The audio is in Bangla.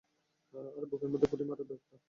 আর বুকের মধ্যে খুঁটি মারার ব্যাপারটা?